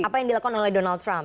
apa yang dilakukan oleh donald trump